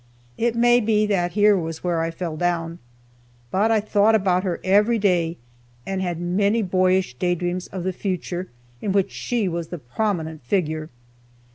It may be that here was where I fell down. But I thought about her every day, and had many boyish day dreams of the future, in which she was the prominent figure.